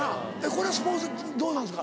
これはスポーツどうなんですか？